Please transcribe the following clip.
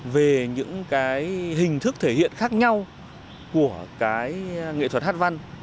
về những cái hình thức thể hiện khác nhau của cái nghệ thuật hát văn